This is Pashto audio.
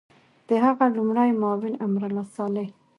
د هغه لومړی معاون امرالله صالح